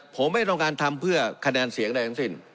ผมไม่ต้องการทำเพื่อคะแนนเสียงใดทั้งสิ้น